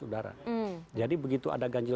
udara jadi begitu ada ganjil